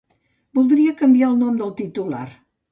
Voldria canviar el nom del titular.